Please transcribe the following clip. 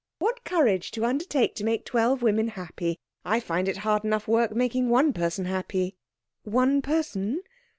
What courage to undertake to make twelve women happy. I find it hard enough work making one person happy." "One person?